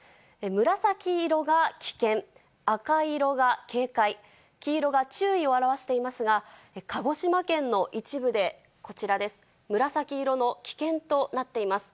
紫色が危険、赤色が警戒、黄色が注意を表していますが、鹿児島県の一部でこちらです、紫色の危険となっています。